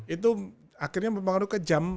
itu akhirnya mempengaruhi ke jam